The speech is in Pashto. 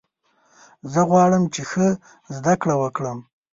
زه غواړم چې ښه زده کړه وکړم.